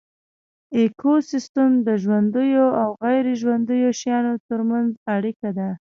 ایکوسیستم د ژوندیو او غیر ژوندیو شیانو ترمنځ اړیکه ده